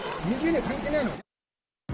２０年、関係ないの。